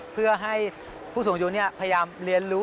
เพื่อให้ผู้สูงอายุพยายามเรียนรู้